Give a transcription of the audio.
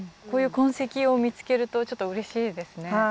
こういう痕跡を見つけるとちょっとうれしいですね。